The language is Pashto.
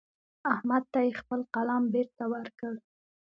احمد ته يې خپل قلم بېرته ورکړ.